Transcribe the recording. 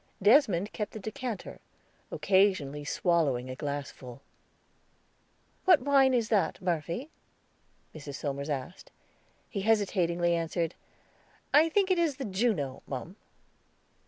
Desmond kept the decanter, occasionally swallowing a glassful. "What wine is that, Murphy?" Mrs. Somers asked. He hesitatingly answered, "I think it is the Juno, mum."